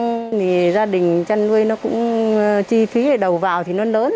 thì gia đình chăn nuôi nó cũng chi phí để đầu vào thì nó lớn